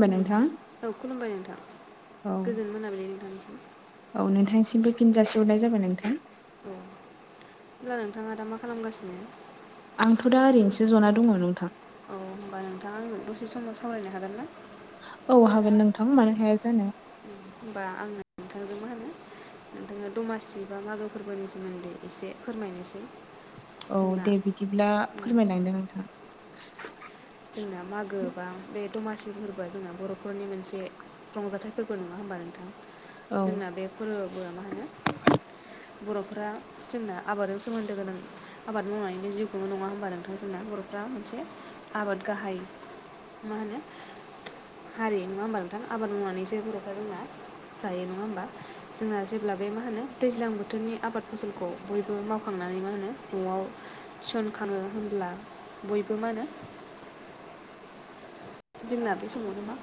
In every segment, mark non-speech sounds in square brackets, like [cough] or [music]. खुलुमबाय नोंथां औ खुलुमबाय नोंथां औ गोजोन मोनाबिलि नोंथांनिसिम। औ नोंथांसिमबो फिन जासि हरनाय जाबाय नोंथां। होनब्ला नोंथाङा दा मा खालामगासिनो? आंथ' दा ओरैनोसो जना दङ नोंथां। औ होमबा नोंथाङा आंजों दसे सम सावरायनो हागोन ना? औ हागोन नोंथां मानो हाया जानो। होमबा आङो नोंथांजों मा होनो नोंथांनो दमासि बा मागो फोरबोनि सोमोन्दै एसे फोरमायनोसै। औ जोंना दे बिदिब्ला फोरमायलांदो नोंथां जोंना मागो बा बे दमासि फोरबोआ जोंना बर'फोरनि मोनसे रंजाथाइ फोरबो नङा होमबा नोंथां औ जोंना बे फोरबोआ मा होनो बर'फोरा जोंना आबादजों सोमोन्दो गोनां आबाद मावनानैनो जिउ खुङो नङा होनबा नोंथां जोंना बर'फ्रा मोनसे आबाद गाहाय मा होनो हारि नङा होमबा नोंथां आबाद मावनानैसो बर'फ्रा जोंना जायो नङा होमबा जोंना जेब्ला बे मा होनो दैज्लां बोथोरनि आबाद फसलखौ बयबो मावखांनानै मा होनो न'आव सन खाङो होनब्ला बयबो मा होनो जोंना बे समावनो मा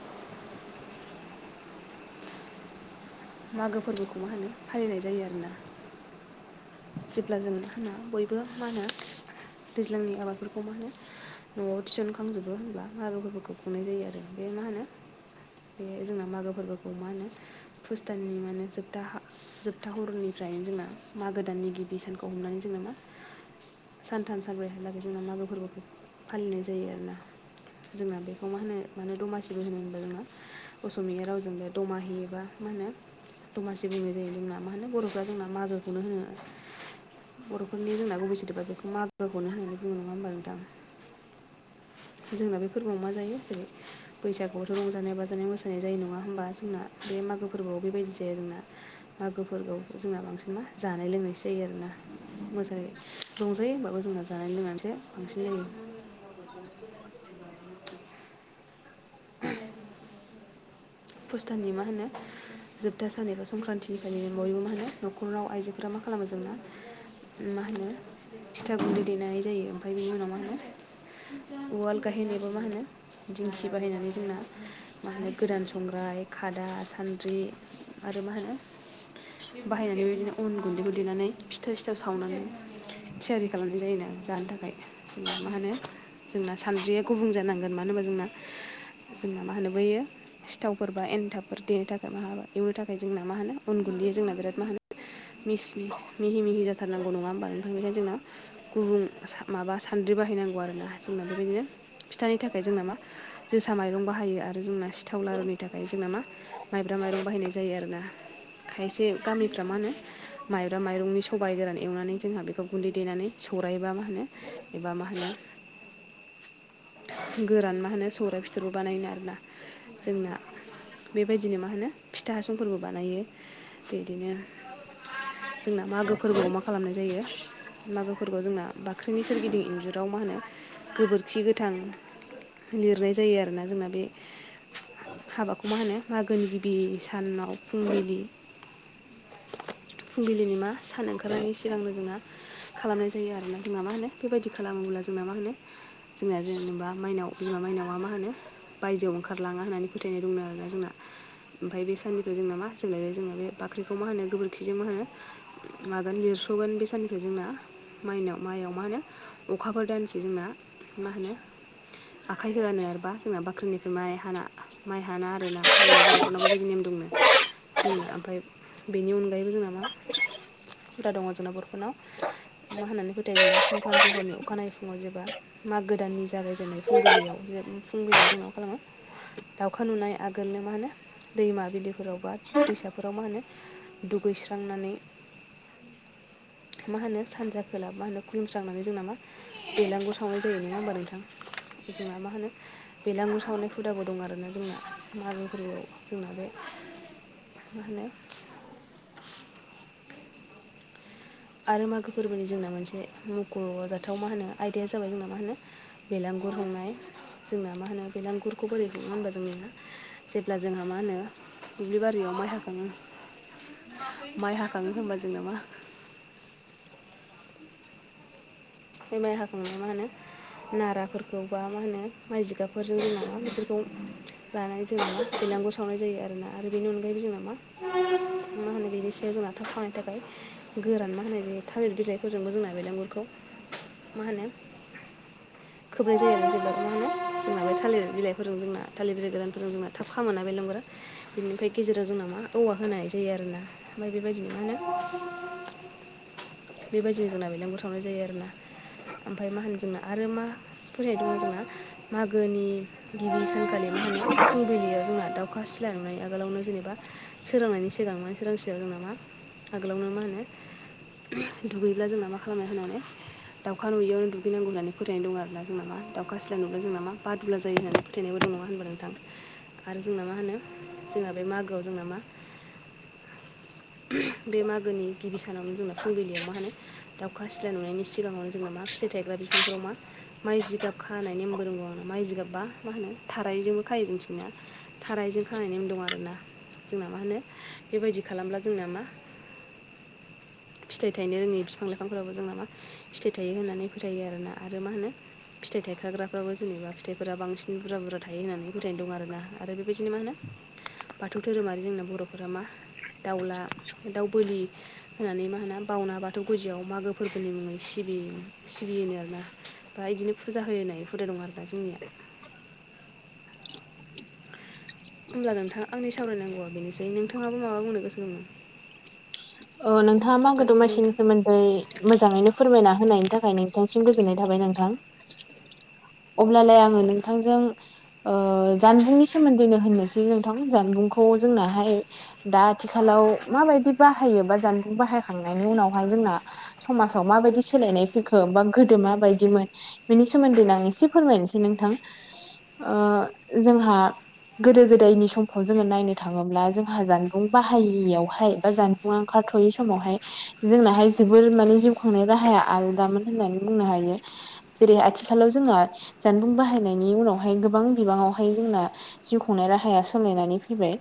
मागो फोरबोखौ मा होनो फालिनाय जायो आरोना जेब्ला जों होनना बयबो मा होनो दैज्लांनि आबादफोरखौ मा होनो न'आव थिसनखांजोबो होनब्ला मारुफोरखौ खुंनाय जायो आरो बे मा होनो बे जोंना मागो फोरबोखौ मा होनो पुष दाननि मा होनो जोबथा हा जोबथा हरनिफ्रायनो जोंना मागो दाननि गिबि सानखौ हमनानै जोंना मा सानथाम सानब्रैहालागै जोङो मागो फोरबोखौ फालिनाय जायो आरो ना। जोंना बेखौ मा होनो मानोे दमासिबो होनो होनबा जोङो असमिया रावजोंबो दमाहि एबा मा होनो दमासि बुंनाय जायो जोंना मा होनो बर'फ्रा जोंना मागोखौनो होनो। बर'फोरनि जोंना गुबै सोदोबा बेखौ मागोखौनो होननानै बुङो नङा होमबा नोंथां। जोंना बे फोरबोआव मा जायो जेरै बैसागुआवथ' रंजानाय बाजानाय मोसानाय जायो नङा होमबा जोंना बे मागो फोरबोआव बेबायदि जाया जोंना मागो फोरबोआव जोंना बांसिन मा जानाय लोंनायसो जायो आरोना मोजांयै रंजायो होमबाबो जोंना जानाय लोंनानैसो बांसिन जायो [inaudible] [inaudible] पुष दाननि मा होनो जोबथा सान एबा संक्रान्तनिफ्रायनो बयबो मा होनो न'खराव आइजोफोरा मा खालामो जोंना मा होनो फिथा गुन्दै देनाय जायो ओमफ्राय बिनि उनाव मा होनो उवाल गायहेन एबा मा होनो दिंखि बाहायनानै जोंना मा होनो गोदान संग्राय खादा सान्द्रि आरो मा होनो बाहायनानै बेबिदिनो उन गुन्दैखौ देनानै फिथा सिथोव सावनानै थियारि खालामनाय जायोना जानो थाखाय जोंनो मा होनो जोंना सान्द्रिया गुबुं जानांगोन मानो होनबा जोंना जोंना मा होनो बैयो सिथावफोर बा एन्थाबफोर देनो थाखाय माहाबा एवनो थाखाय जोंना मा होनो उन गुन्दै जोंना बिराद मा होनो मिस मि मिहि मिहि जाथारनांगौ नङा होमबा नोंथां बेखायनो जोंना गुबुं माबा सान्द्रि बाहायनांगौ आरोना जोंना बेबायदिनो फिथानि थाखाय जोंना मा जोसा माइरं बाहायो आरो जोंना थाव लारुनि थाखाय जोंना मा माइब्रा माइरं बाहायनाय जायो आरोना। खायसे गामिफ्रा मा होनो माइब्रा माइरंनि सबाइ गोरान एवनानै जोंहा बेखौ गुन्दै देनानै सौराइ एबा मा होनो एबा मा होनो गोरान मा होनो सौराइ बिथरबो बानायो आरोना। जोंना बेबायदिनो मा होनो फिथा हासुंफोरबो बानायो बिदिनो जोंना मागो फोरबोआव मा खालामनाय जायो मागो फोरबोआव जोंना बाख्रिनि सोरगिदिं इन्जुराव मा होनो गोबोरखि गोथां लिरनाय जायो आरोना जोंना बे हाबाखौ मा होनो मागो गिबि सानाव फुंबिलि फुंबिलिनि मा सान ओंखारनायनि सिगांनो जोंना खालामनाय जायो आरोना जोंना मा होनो बेबायदि खालामोब्ला जोंना मा होनो जोंना जेनेबा माइनाव बिमा माइनावा मा होनो बायजोयाव खारलाङा होननानै फोथायनाय दंनो आरोना जोंना। ओमफ्राय बे साननिफ्राय जोंना मा जोबलायबाय जोङो बे बाख्रिखौ मा होनो गोबोरखिजों मा होनो मागोनि लिरस'गोन बे साननिफ्राय जोंना माइनाव माइयाव मा होनो अखाफोर दानसे जोंना मा होनो आखाइ होआनो आरोबा जोंना बाख्रिनि माइ हाना माइ हाना आरोना जोंना बर'फोरनाव बेबायदि नेम दंनो। जोंना ओमफाय बेनि अनगायैबो जोंना मा हुदा दङ' जोंना बर'फोरनाव मा होननानै फोथायो जोंना संक्रान्ति हरनि अखानायै फुङाव जेब्ला मागो दाननि जागायजेननाय फुंबिलियाव जे फुंबिलियाव जोंनाव मा खालामो दाउखा नुनाय आगोलनो मा होनो दैमा बिलिफोराव बा दैसाफोराव मा होनो दुगैस्रांनानै मा होनो सानजा खोला मा होनो खुलुमस्रांनानै जोंना मा बेलांगुर सावनाय जायो नोङा होमबा नोंथां जोंना मा होनो बेलांगुर सावनाय हुदाबो दं आरोना जोंना मागो फोरबोआव जोंना बे मा होनो आरो मागो फोरबोनि जोंना मोनसे मख'जाथाव मा होनो आयदाया जाबाय जोंना मा होनो बेलांगुर हुंनाय जोंना मा होनो बेलांगुरखौ बोरै हुङो होनबा जोंनिया जेब्ला जोंहा मा होनो दुब्लि बारियाव माइ हाखाङो माइ हाखाङो होनबा जोङोना मा बे माइ हाखांनाया मा होनो नाराफोरखौ बा मा होनो माइ जिगाबफोरजों जोंना मा बिसोरखौ लानाय जों मा बिलागुर सावनाय जायो आरोना आरो बेनि अनगायैबो जोंना मा मा होनो बेनि बे जोंना थाब खामनाय थाखाय गोरान मा होनो बे थालिर बिलाइफोरजोंबो जोंना बेलांगुरखौ मा होनो खोबनाय जायो आरो जेब्ला मा होनो जोंना बे थालिर बिलाइफोरजों जोंना थालिर बिलाइ गोरानफोरजों जोंना थाब खामोना बेलांगुरा। बिनिफ्राय गेजेराव जोंना मा औवा होनाय जायो आरोना ओमफ्राय बेबायदिनो मा होनो बेबायदिनो जोंना बेलांगुर सावनाय जायो आरोना ओमफ्राय मा होनो जोंना आरो मा फोथायनाय दङ' जोंना मागोनि गिबि सानखालि मा होनो फुंबिलियाव जोंना दाउखा सिला नुनाय आगोलावनो जेनेबा सोरांनायनि सिगां मा सोरांसियाव जोंना मा आगोलावनो मा होनो दुगैब्ला जोंना मा खालामनाय होननानै दाउखा नुययावनो दुगैनांगौ होननानै फोथायनाय दं आरोना जोंना मा दाउखा सिल्ला नुब्ला जोंना मा बादुला जायो होननानै फोथानायबो दं नङा होनबा नोंथां आरो जोंना मा होनो जोंना बे मागोआव जोंना मा बे मागोनि गिबि सानावनो जोंना फुंबिलियाव मा होनो दाउखा सिला नुनायनि सिगाङावनो जोंना मा फिथाइ थायग्रा बिफांफोराव मा माइ जिगाब खानाय नेमबो रोंगौ आंना माइ जिगाबबा मा होनो थारायजोंबो खायो जोंथिंनिया थारायजों खानायनायनि दं आरोना जोंना मा होनो बेबायदि खालामब्ला जोंना मा फिथाइ थायनो रोंनि बिफां लाइफांफोराबो जोंना मा फिथाइ थायो होननानै फोथायो आरोना आरो मा होनो फिथाइ थायखाग्राफ्राबो जेनेबा फिथाइफोरा बांसिन बुरजा बुरजा थायो होननानै फोथायनाय दं आरोना आरो बेबायदिनो मा होनो बाथौ धोरोमारि जोंना बर'फोरा मा दाउला दाउ बोलि होनानै मा मान बावना बाथौ गुजिआव मागो फोरबोनि मुङै सिबि सिबियोनो आरोना बा बिदिनो फुजा होयो होननाय हुदा दं आरोना जोंनिया होमब्ला नोंथां आंनि सावरायनांगौआ बेनोसै नोंथाङाहाबो माबा बुंनो गोसो दङ अ नोंथाङा मागो हेलौ दमासिनि नोंथां सोमोन्दै मोजाङैनो फोरमायना होनायनि थाखाय नोंथांनिसिम गोजोननाय थाबाय नोंथां अब्लालाय आङो नोंथांजों ओ जानबुंनि सोमोन्दैनो होननोसै नोंथां जानबुंखौ जोंनाहाय दा आथिखालाव माबायदि बाहायो बा जानबुं बाहायखांनायनि उनावहाय जोंना समाजाव माबायदि सोलायनाय फैखो बा गोदो माबायदिमोन बेनि सोमोन्दैनो आं एसे फोरमायनोसै नोंथां ओ जोंहा गोदो गोदायनि समखौ जोङो नायनो थाङोब्ला जोंहा जानबुं बाहायियावहाय बा जान बु ओंखारथ'यै समावहाय जोंनाहाय जोबोर माने जिउ खांनाय राहाया आलदामोन होननानै बुंनो हायो जेरै आथिखालाव जोंहा जानबुं बाहायनायनि उनावहाय गोबां बिबाङावहाय जोंना जिउ खुंनाय राहाया सोलायनानै फैबाय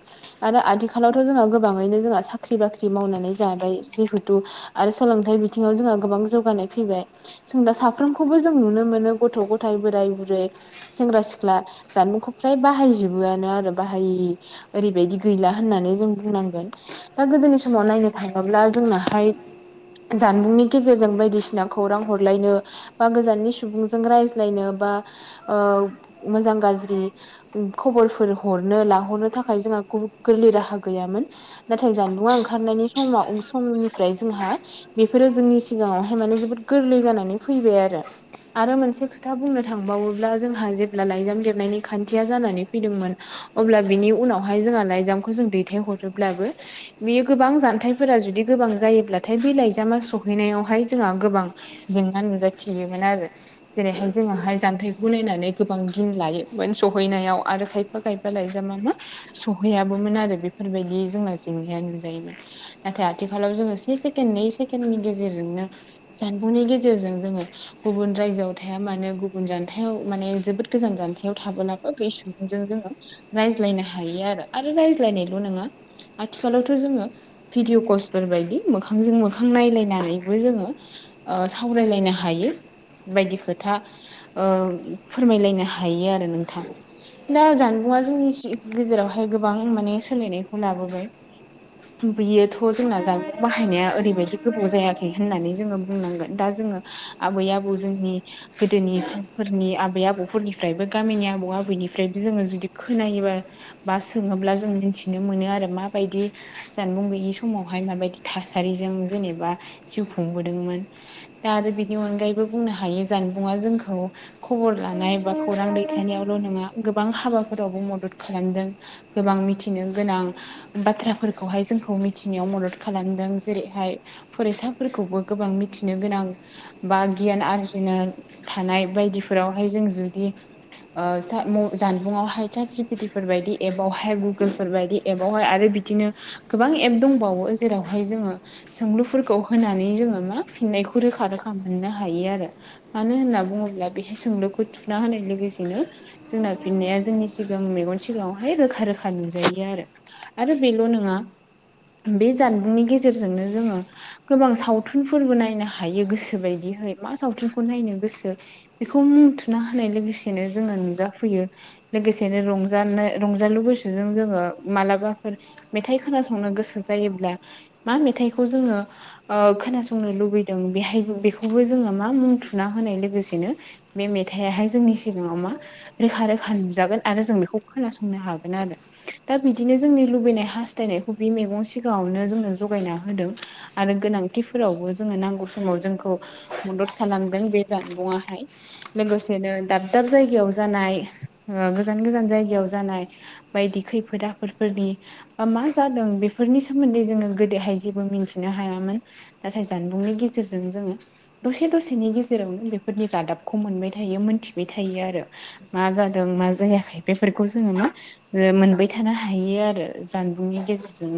आरो आथिखालावथ' जोंहा गोबाङैनो जोंहा साख्रि बाख्रि मावनानै जाबाय जिहेथु आरो सोलोंथाइ बिथिङाव जोंहा गोबां जौगानाय फैबाय जों दा साफ्रोमखौबो जों नुनो मोनो गथ' गथाय बोराय बुरै सेंग्रा सिख्ला जानबुंखौ फ्राय बाहायजोबोआनो आरो बाहायि ओरैबायदि गैला होननानै जों बुंनांगोन दा गोदोनि समाव नायनो थाङोब्ला जोंनाहाय जानबुंनि गेजेरजों बायदिसिना खौरां हरलायनो बा गोजाननि सुबुंजों रायज्लायनो बा ओ मोजां गाज्रि खबरफोर हरनो लाहरनो थाखाय जोंहा गुबु गोरलै राहा गैयामोन नाथाय जानबुंआ ओंखारनायनि समाव समनिफ्राय जोंहा बेफोरो जोंनि सिगाङावहाय माने जोबोद गोरलै जानानै फैबाय आरो आरो मोनसे खोथा बुंनो थांबावोब्ला जोंहा जेब्ला लाइजाम लिरनायनि खान्थिया जानानै फैदोंमोन अब्ला बिनि उनावहाय जोंहा लाइजामखौ जों दैथायहरोब्लाबो बे गोबां जानथायफोरा जुदि गोबां जायोब्लाथाय बे लाइजामा सहैनायावहाय जोंहा गोबां जेंना नुजाथियोमोन आरो जेरैहाय जोंङाहाय जानथायखौ नायनानै गोबां दिन लायोमोन सहैनायाव आरो खायफा खायफा लायजाम मा सहैयाबोमोन आरो बेफोरबायदि जोंना जेंनाया नु जायोमोन नाथाय आथिखालाव जोङो से सेकेण नै सेकेणनि गेजेरजोंनो जानबुंनि गेजेरजों जोङो गुबुन रायजोआव थाया मानो गुबुन जानथायाव माने जोबोद गोजान जानथायाव थाबोलाबो बे सुबुंजों जोङो रायज्लायनो हायो आरो आरो रायज्लायनायल' नङा आथिखालावथ' थ जोङो भिदिअ कसफोर बायदि मोखांजों मोखां नायलायनानैबो जोङो ओ सावरायलायनो हायो बायदि खोथा ओ फोरमायलायनो हायो आरो नोंथां दा जानबुंआ जोंनि सि गेजेरावहाय गोबां माने सोलायनायखौ लाबोबाय बियोथ' जोंना जानबु बाहायनाया ओरैबायदि गोबाव जायाखै होननानै जोङो बुंनांगोन दा जोङो आबै आबौ जोंनि गोदोनि सानफोरनि आबै आबौफोरनिफ्रायबो गामिनि आबौ आबैनिफ्रायबो जोङो जुदि खोनायोबा बा सोङोब्ला जों मोनथिनो मोनो आरो मा बायदि जानबुं गैयि समावहाय माबायदि थासारिजों जेनेबा जिउ खुंबोदोंमोन दा आरो बिनि अनगायैबो बुंनो हायो जानबुंआ जोंखौ खबर लानाय बा खौरां दैथायनायावल' नङा गोबां हाबाफोरावबो मदद खालामदों गोबां मिथिनो गोनां बाथ्रा फोरखौहाय जोंखौ मिथिनायाव मदद खालामदों जेरैहाय फरायसाफोरखौबो गोबां मिथिनो गोनां बा गियान आरजिनो थानाय बायदिफोरावहाय जों जुदि जानबुंआवहाय साट जिफिटिफोर बायदि एबावहाय गुगोलफोर बायदि एबावहाय आरो बिदिनो गोबां एप दंबावो जेरावहाय जोङो सोंलुफोरखौ होनानै जोङो मा फिननायखौ रोखा रोखा मोननो हायो आरो। मानो होनना बुङोब्ला बेहाय सोंलुखौ थुना होनाय लोगोसेनो जोंना फिननाया जोंनि सिगां मेगन सिगाङावहाय रोखा रोखा नुजायो आरो आरो बेल' नो ङा बे जानबुंनि गेजेरजोंनो जोङो गोबां सावथुनफोरबो नायनो हायो गोसो बायदिहै मा सावथुनखौ नायनो गोसो। बेखौ मुं थुना होनाय लोगोसेनो जोंङो नुजाफैयो लोगोसेनो रंजानो रंजालु गुसुजों जोङो मालाबाफोर मेथाइ खोनासंनो गोसो जायोब्ला मा मेथाइखौ जोङो ओ खोनासंनो लुबैदों बेहाय बेखौबो जोङो मा मुं थुना होनाय लोगोसेनो बे मेथायाहाय जोंनि सिगाङाव मा रोखा रोखा नुजागोन आरो जों बेखौ खोनासंनो हागोन आरो दा बिदिनो जोंनि लुबैनाय हा थायनायखौ बे मैगं सिगाङावनो जोंनो जगायना होदों आरो गोनांथिफोरावबो जोङो नांगौ समाव जोंखौ मदद खालामदों बे जानबुंआहाय लोगोसेनो दाब दाब जायगायाव जानाय गोजान गोजान जायगायाव जानाय बायदि खैफोद आफोदफोरनि। बा मा जादों बेफोरनि सोमोन्दै जोङो गोदोहाय जेबो मिथिनो हायामोन नाथाय जानबुंनि गेजेरजों जोङो दसे दसेनि गेजेरावनो बेफोरनि रादाबखौ मोनबाय थायो मोनथिबाय थायो आरो। मा जादों मा जायाखै बेफोरखौ जोङो मोनबाय थानो हायो आरो। जानबुंनि गेजेरजों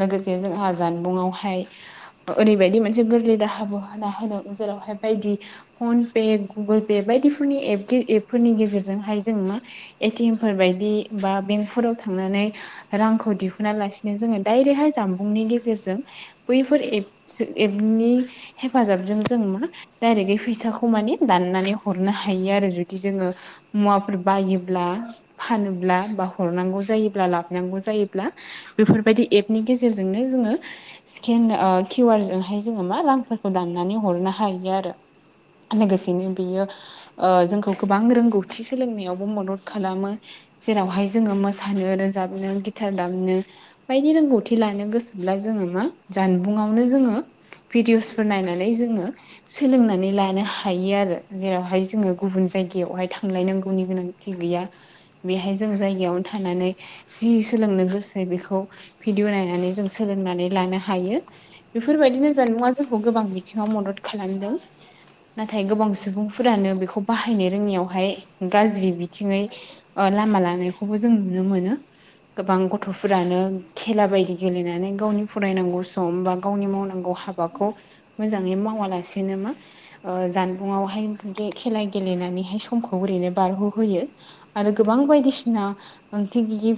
लोगोसे जोंहा जानबुंआवहाय ओरैबायदि मोनसे गोरलै राहाबो होना होदों जेरावहाय बायदि फन पे गुगोल पे बायदिफोरनि एप एपफोरनि गेजेरजोंहाय जों मा एटिएम फोर बायदि बा बेंकफोराव थांनानै रांखौ दिहुना लासिनो जोङो डाइरेक्टहाय जामबुंनि गेजेरजों बैफोर ए एपनि हेफाजाबजों जों मा डायरेक्टै फैसाखौ माने दाननानै हरनो हायो आरो जुदि जोङो मुवाफोर बायोब्ला फानोब्ला बा हरनांगौ जायोब्ला ला नांगौ जायोब्ला बेफोरबायदि एपनि गेजेरजोंनो जोङो स्केन किउ आर जोंहाय जोङो मा रांफोरखौ दाननानै हरनो हायो आरो लोगोसेनो बेयो जोंखौ गोबां रोंगौथि सोलोंनायावबो मदद खालामो। जेरावहाय जोङो मोसानो रोजाबनो गिटार दामनो बायदि रोंगौथि लानो गोसोब्ला जोङो मा जानबुंयावनो जोङो भिडिअसफोर नायनानै जोङो सोलोंनानै लानो हायो आरो जेरावहाय जोङो गुबुन जायगायावहाय थांलायनांगौनि गोनां थि गैया बेहाय जों जायगायावनो थानानै जि सोलोंनो गोसो बेखौ भिडिअ' नायनानै जों सोलोंनानै लानो हायो। बेफोरबायदिनो जानबुंआ जोंखौ गोबां बिथिङाव मदद खालामदों नाथाय गोबां सुबुंफोरानो बेखौ बाहायनो रोङियावहाय गाज्रि बिथिङै ओ लामा लांनायखौबो जों नुनो मोनो। गोबां गथ'फोरानो खेला बायदि गेलेनानै गावनि फरायनांगौ सम बा गावनि मावनांगौ हा बाखौ मोजाङै मावालासेनो मा ओ जानबुंयावहाय बे खेला गेलेनानैहाय समखौ ओरैनो बारहोहोयो आरो गोबां बायदिसिना ओंथि गैयि